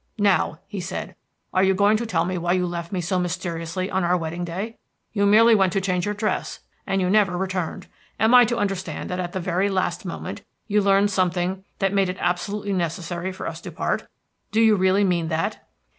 "Now," he said. "Are you going to tell me why you left me so mysteriously on our wedding day? You merely went to change your dress, and you never returned. Am I to understand that at the very last moment you learned something that made it absolutely necessary for us to part? Do you really mean that?"